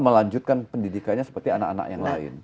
melanjutkan pendidikannya seperti anak anak yang lain